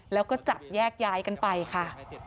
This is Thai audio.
แล้วก็จับแยกย้ายกันไปค่ะ